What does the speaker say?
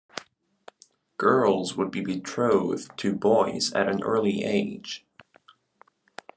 Girls would be betrothed to boys at an early age.